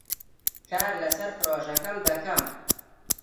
کار لەسەر پرۆژەکەم دەکەم.